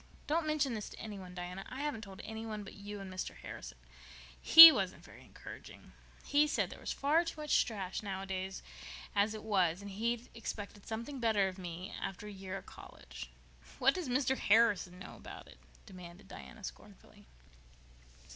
Don't mention this to any one, Diana. I haven't told anybody but you and Mr. Harrison. He wasn't very encouraging—he said there was far too much trash written nowadays as it was, and he'd expected something better of me, after a year at college." "What does Mr. Harrison know about it?" demanded Diana scornfully.